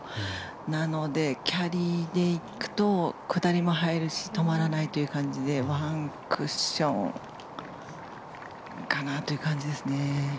なので、キャリーで行くと下りも入るし止まらないという感じでワンクッションかなという感じですね。